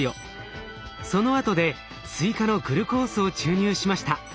そのあとで追加のグルコースを注入しました。